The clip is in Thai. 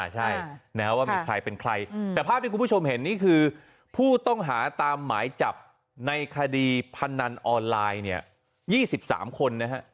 แต่ภาพที่คุณผู้ชมเห็นนี่คือผู้ต้องหาตามหมายจับในคดีพนันออนไลน์๒๓คน